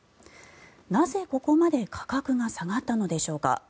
なぜここまで価格が下がったのでしょうか。